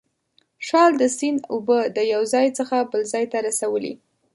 شال د سیند اوبه د یو ځای څخه بل ځای ته رسولې.